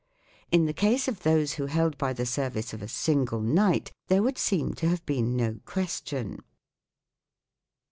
In the case of those who held by the service of a single knight there would seem to have been no question.